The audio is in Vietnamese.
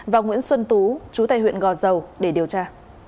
và nguyễn xuân tú chú tài huyện gò dầu để điều tra